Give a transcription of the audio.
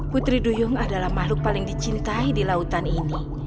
putri duyung adalah makhluk paling dicintai di lautan ini